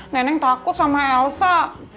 neneng takut sama elsa